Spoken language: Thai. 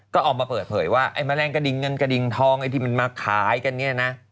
ก็ออกมาเปิดเห่ยว่าแมลงกระดิ่งเงินกระดิ่งทองที่มันมาขายกัน